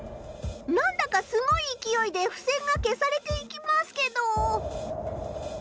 何だかすごいいきおいでふせんが消されていきますけど。